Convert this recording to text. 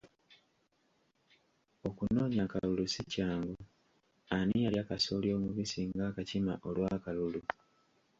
Okunoonya akalulu si kyangu, ani yalya kasooli omubisi ng’akakima olw’akalulu?